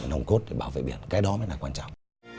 nồng cốt để bảo vệ biển cái đó mới là quan trọng